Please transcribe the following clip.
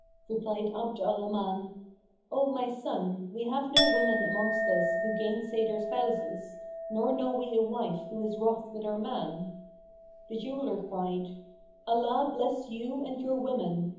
Replied Abd al Rahman, "O my son, we have no women amongst us who gainsay their spouses, nor know we a wife who is wroth with her man." The jeweller cried, "Allah bless you and your women!"